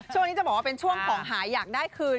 ช่วงนี้จะบอกว่าเป็นช่วงของหายอยากได้คืน